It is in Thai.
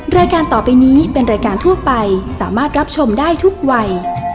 รายการต่อไปนี้เป็นรายการทั่วไปสามารถรับชมได้ทุกวัย